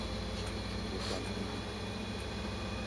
Gótʼám nyím nyǐm.